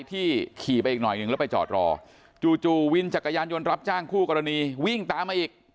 ที่ขี่ไปอีกหน่อยหนึ่งแล้วไปจอดรอจู่วินจักรยานยนต์รับจ้างคู่กรณีวิ่งตามมาอีก